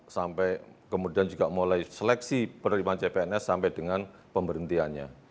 sampai kemudian juga mulai seleksi penerimaan cpns sampai dengan pemberhentiannya